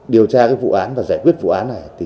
điều tra vụ án và giải quyết vụ án này